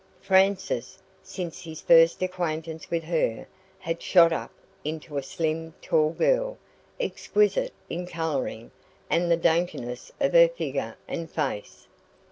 Frances, since his first acquaintance with her, had shot up into a slim, tall girl, exquisite in colouring and the daintiness of her figure and face.